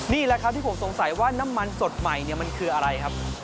นี่แหละครับที่ผมสงสัยว่าน้ำมันสดใหม่เนี่ยมันคืออะไรครับ